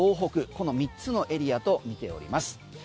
この３つのエリアとみています。